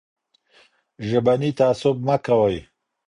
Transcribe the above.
ژبني تعصب مه کوئ.